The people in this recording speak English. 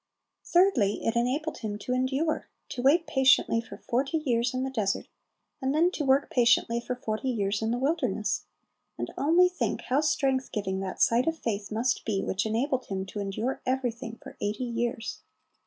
Thirdly, it enabled him to "endure," to wait patiently for forty years in the desert, and then to work patiently for forty years in the wilderness; and only think how strength giving that sight of faith must be which enabled him to endure everything for eighty years!